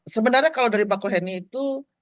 sebenarnya kalau dari bakoheni itu